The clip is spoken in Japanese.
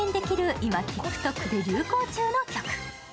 今ＴｉｋＴｏｋで流行中の曲。